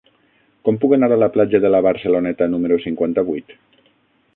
Com puc anar a la platja de la Barceloneta número cinquanta-vuit?